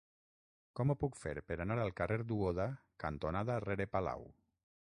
Com ho puc fer per anar al carrer Duoda cantonada Rere Palau?